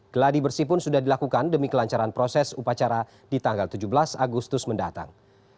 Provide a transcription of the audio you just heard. geladi bersih pun sudah dilakukan demi kelancaran proses upacara di tanggal tujuh belas agustus mendatang